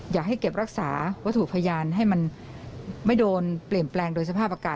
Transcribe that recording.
อยากให้เก็บรักษาวัตถุพยานให้มันไม่โดนเปลี่ยนแปลงโดยสภาพอากาศ